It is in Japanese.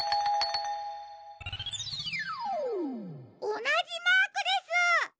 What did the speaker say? おなじマークです！